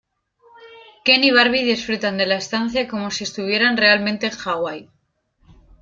Ken y Barbie disfrutan de la estancia como si estuvieran realmente en Hawaii.